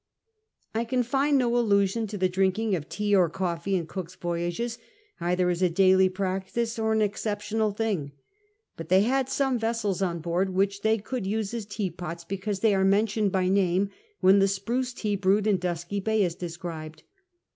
I can find no allusion to the drinking of tea or coffee in Cook's Voyages either as a daily practice or an exceptional thing. But they had some vessels on board which they could use as teapots, because they are mentioned by name when the spruce tea brewed in Dusky Bay is described.